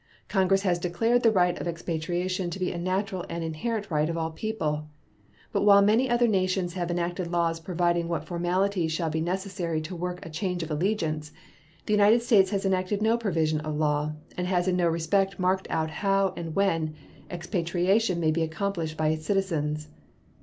Congress has declared the right of expatriation to be a natural and inherent right of all people; but while many other nations have enacted laws providing what formalities shall be necessary to work a change of allegiance, the United States has enacted no provisions of law and has in no respect marked out how and when expatriation may be accomplished by its citizens.